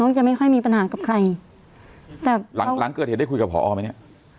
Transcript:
จะไม่ค่อยมีปัญหากับใครแต่หลังหลังเกิดเหตุได้คุยกับพอไหมเนี่ย